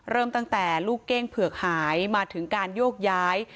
เริ่มตั้งแต่ลูกเก้งเผือกหายมาถึงการโยกย้าย